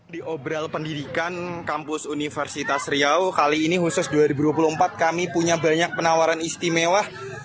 di obral pendidikan kampus universitas riau kali ini khusus dua ribu dua puluh empat kami punya banyak penawaran istimewa